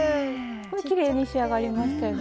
きれいに仕上がりましたよね。